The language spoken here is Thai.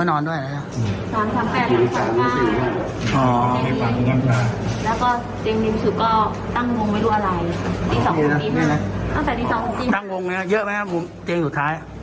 น้องคมว่าคุณออกก่อน